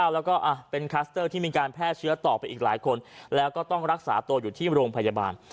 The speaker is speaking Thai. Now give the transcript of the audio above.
แล้วก็เป็นคลัสเตอร์ที่มีการแพร่เชื้อต่อไปอีกหลายคนแล้วก็ต้องรักษาตัวอยู่ที่โรงพยาบาล